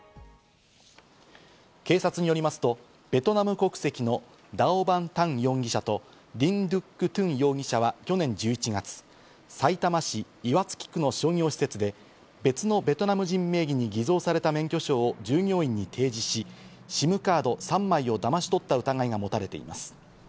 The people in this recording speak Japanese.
警察によりますとベトナム国籍のダオ・バン・タン容疑者と、ディン・ドゥック・トゥン容疑者は去年１１月、さいたま市岩槻区の商業施設で別のベトナム人名義に偽造された免許証を従業員に提示し、ＳＩＭカード３枚をだまし取った疑いが持たれています。